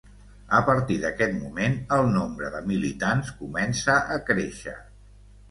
A partir d'aquest moment el nombre de militants comença a créixer.